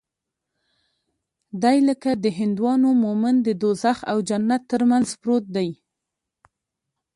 دى لکه د هندوانو مومن د دوږخ او جنت تر منځ پروت دى.